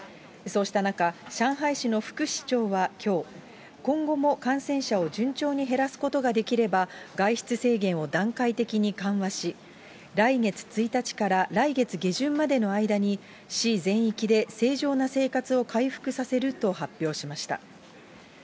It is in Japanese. そうした中、上海市の副市長はきょう、今後も感染者を順調に減らすことができれば、外出制限を段階的に緩和し、来月１日から来月下旬までの間に、市全域で正常な生活を回復させると発表しました。